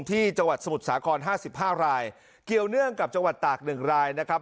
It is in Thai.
จังหวัดสมุทรสาคร๕๕รายเกี่ยวเนื่องกับจังหวัดตาก๑รายนะครับ